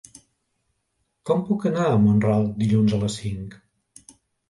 Com puc anar a Mont-ral dilluns a les cinc?